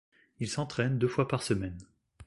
Il s'entraîne deux fois par semaine.